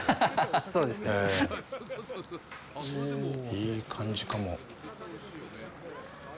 いい感じかも。